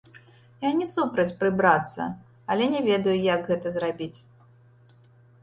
Я не супраць прыбрацца, але не ведаю, як гэта зрабіць.